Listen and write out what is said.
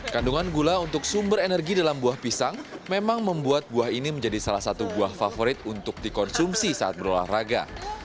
kandungan gula untuk sumber energi dalam buah pisang memang membuat buah ini menjadi salah satu buah favorit untuk dikonsumsi saat berolahraga